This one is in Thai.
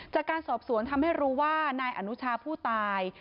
จากการสอบสวนทำให้รู้ว่านายอนุชาผู้ตาย